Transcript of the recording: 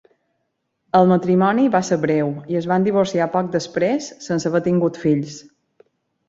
El matrimoni va ser breu i es van divorciar poc després sense haver tingut fills.